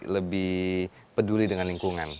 lebih peduli dengan lingkungan